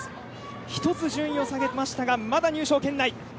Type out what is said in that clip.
一つ順位を下げましたがまだ入賞圏内。